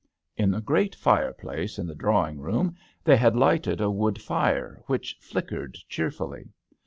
In the great fireplace in the drawing room they had lighted a wood fire, which flickered cheer fully.